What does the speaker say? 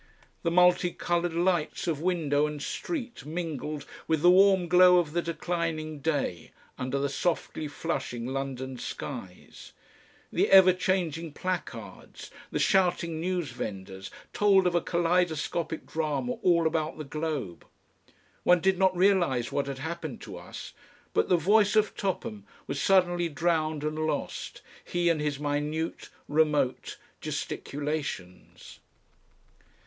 The multi coloured lights of window and street mingled with the warm glow of the declining day under the softly flushing London skies; the ever changing placards, the shouting news vendors, told of a kaleidoscopic drama all about the globe. One did not realise what had happened to us, but the voice of Topham was suddenly drowned and lost, he and his minute, remote gesticulations....